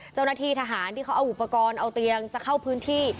เจ้าหน้าที่ทหารที่เขาเอาอุปกรณ์เอาเตียงจะเข้าพื้นที่